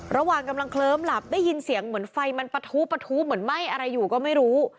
ระหว่างกำลังเคลิ้มหลับได้ยินเสียงเหมือนไฟมันปะทู้ปะทู้เหมือนไหม้อะไรอยู่ก็ไม่รู้